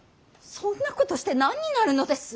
そんなことして何になるのです。